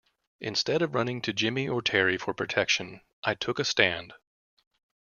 Instead of running to Jimmy or Terry for protection, I took a stand.